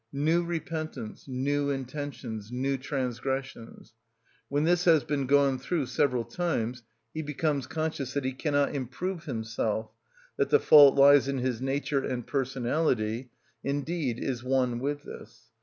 New repentance, new intentions, new transgressions. When this has been gone through several times he becomes conscious that he cannot improve himself, that the fault lies in his nature and personality, indeed is one with this.